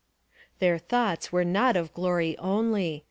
Their thoughts were not of glory only.